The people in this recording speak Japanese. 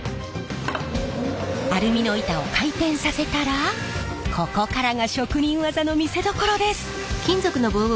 アルミの板を回転させたらここからが職人技の見せどころです。